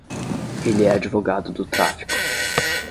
Ele é advogado do tráfico.